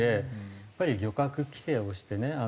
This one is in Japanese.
やっぱり漁獲規制をしてね